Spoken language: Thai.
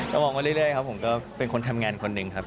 ก็มองมาเรื่อยครับผมก็เป็นคนทำงานคนหนึ่งครับ